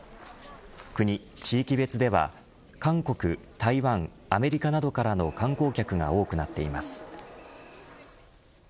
国、地域別では韓国、台湾、アメリカなどからの観光客が多くなっています。